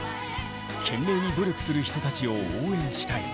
懸命に努力する人たちを応援したい。